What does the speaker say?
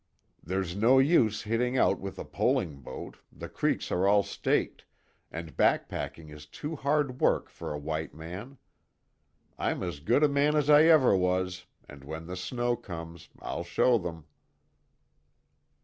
There's no use hitting out with a poling boat, the creeks are all staked, and back packing is too hard work for a white man. I'm as good a man as I ever was, and when the snow comes I'll show them."